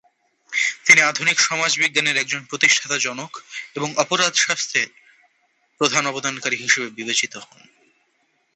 তিনি আধুনিক সমাজবিজ্ঞানের একজন প্রতিষ্ঠাতা জনক এবং অপরাধ শাস্ত্রের প্রধান অবদানকারী হিসাবে বিবেচিত হন।